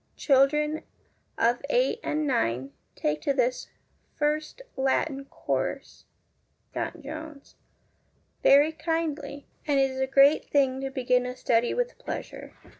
Children of eight and nine take to this First Latin Course (Scott and Jones) 1 very kindly, and it is a great thing to begin a study with pleasure.